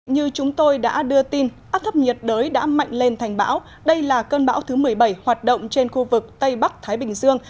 như chúng tôi đã đưa tin áp thấp nhiệt đới đã mạnh lên thành bão đây là cơn bão thứ một mươi bảy hoạt động trên khu vực tây bắc thái bình dương